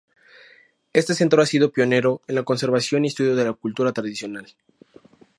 Este centro ha sido pionero en la conservación y estudio de la cultura tradicional.